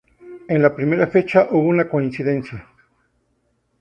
En la primera fecha hubo una coincidencia.